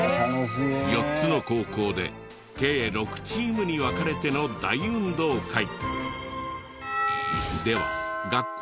４つの高校で計６チームに分かれての大運動会。